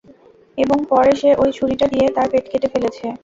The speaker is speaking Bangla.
এবং পরে সে ওই ছুরিটা দিয়ে, তার পেট কেটে ফেলেছে।